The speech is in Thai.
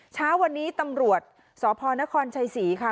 เช้าวันนี้ตำรวจสพนครชัยศรีค่ะ